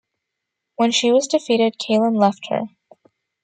When she was defeated, Calen left her.